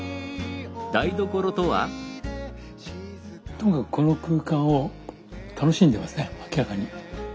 ともかくこの空間を楽しんでますね明らかに。